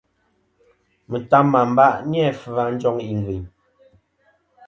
Mɨtam mɨ amba ni-a vfɨ a njoŋ igvɨyn.